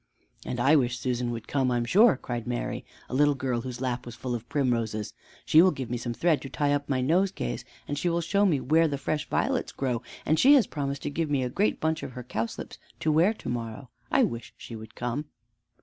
"And I wish Susan would come, I'm sure," cried Mary, a little girl whose lap was full of primroses. "She will give me some thread to tie up my nosegays, and she will show me where the fresh violets grow, and she has promised to give me a great bunch of her cowslips to wear to morrow. I wish she would come."